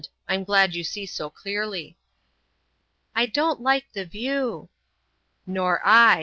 I'm glad you see so clearly." "I don't like the view." "Nor I.